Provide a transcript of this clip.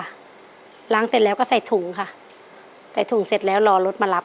ขั้นตอนตั้งแต่เริ่มต้นจนเสร็จแล้วใส่ถุงเนี่ยฮะต้องทำอะไรบ้างครับ